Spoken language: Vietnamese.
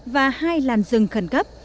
và hai làn rừng khẩn cấp